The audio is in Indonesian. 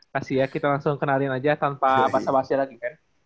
kasih ya kita langsung kenalin aja tanpa bahasa bahasa lagi kan